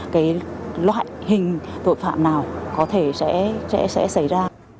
cái loại hình tội phạm nào có thể sẽ xảy ra